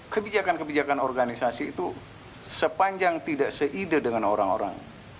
kebijakan kebijakan organisasi itu sepanjang tidak seide dengan orang orang